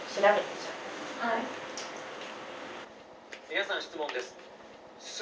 「皆さん質問です。